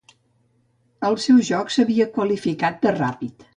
El seu joc s'havia qualificat de ràpid.